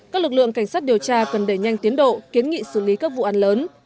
các lực lượng cảnh sát điều tra cần đẩy nhanh tiến độ kiến nghị xử lý các vụ án lớn